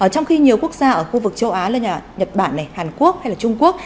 trong khi nhiều quốc gia ở khu vực châu á nhật bản hàn quốc hay trung quốc